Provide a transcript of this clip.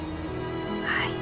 はい。